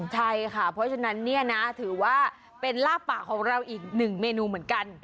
ใช่ค่ะเพราะฉะนั้นถือว่าเป็นลาบปากของเราอีก๑เมนูเหมือนกัน